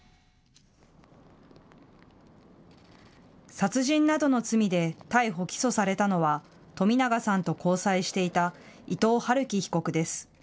殺人などの罪で逮捕・起訴されたのは冨永さんと交際していた伊藤龍稀被告です。